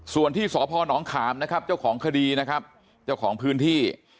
ส่วนที่สพนขามนะครับเจ้าของคดีนะครับเจ้าของพื้นที่